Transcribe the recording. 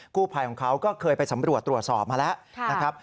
กู้ภัยของเขาก็เคยไปสำรวจตรวจสอบมาแล้วนะครับ